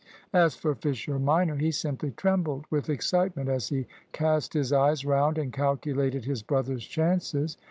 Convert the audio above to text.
As for Fisher minor, he simply trembled with excitement as he cast his eyes round and calculated his brother's chances.